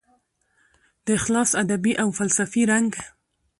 د اخلاص ادبي او فلسفي رنګ